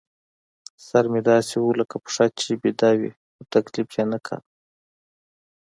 سر مې داسې و لکه پښه چې بېده وي، خو تکلیف یې نه کاوه.